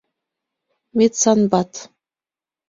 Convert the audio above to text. Медсанбат...